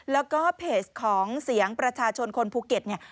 แล้วก็เพจของเสียงประชาชนคนภูเก็ตเนี่ย